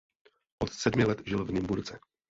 Od sedmi let žil v Nymburce.